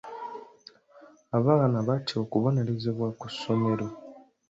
Abaana batya okubonerezebwa ku ssomero.